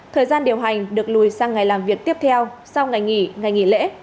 thời gian điều hành được lùi sang ngày làm việc tiếp theo sau ngày nghỉ ngày nghỉ lễ